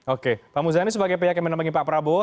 oke pak muzani sebagai pihak yang menemani pak prabowo